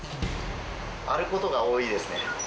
あることが多いですね。